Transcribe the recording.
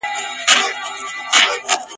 پړ مي که مړ مي که ..